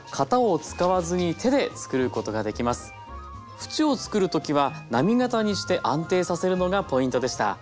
縁をつくる時は波形にして安定させるのがポイントでした。